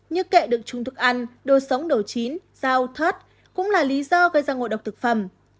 như kệ được trùng thức ăn đồ sống đồ chín rau thớt cũng là lý do gây ra ngộ độc thực phẩm